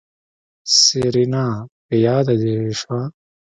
سېرېنا په ياده دې شوه.